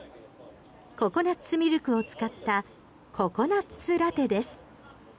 ココナッツミルクを使ったココナッツラテです。